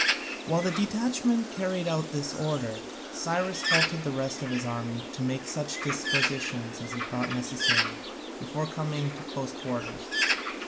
While the detachment carried out this order Cyrus halted the rest of his army to make such dispositions as he thought necessary before coming to close quarters.